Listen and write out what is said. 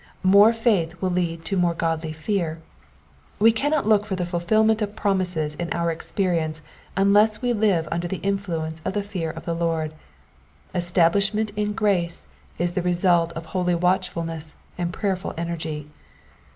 More faith will lead to more godly fear. We cannot look for the fulfilment of promises in our experience unless we live under the influence of the fear of the Lord : es tablishment in grace is the result of holy watchfulness and prayerful energy.